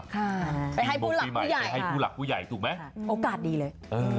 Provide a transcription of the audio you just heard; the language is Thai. ไปให้ผู้หลักผู้ใหญ่โอกาสดีเลย